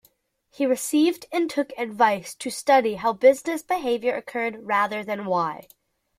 He received and took advice to study how business behaviour occurred rather than why.